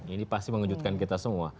ini pasti mengejutkan kita semua